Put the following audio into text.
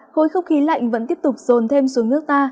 khối không khí lạnh vẫn tiếp tục rồn thêm xuống nước ta